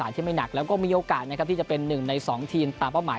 ที่มีโอกาสที่จะเป็นหนึ่งในสองทีนตามเป้าหมาย